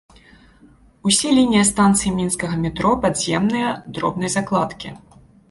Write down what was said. Усе лініі і станцыі мінскага метро падземныя, дробнай закладкі.